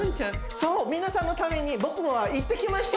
そう皆さんのために僕が行ってきました。